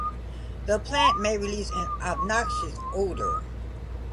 The plant may release an obnoxious odour.